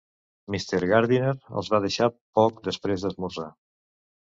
Mr. Gardiner els va deixar poc després d'esmorzar.